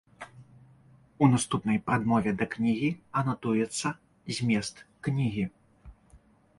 У наступнай прадмове да кнігі анатуецца змест кнігі.